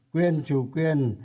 quyền chủ quyền